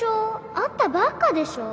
会ったばっかでしょ？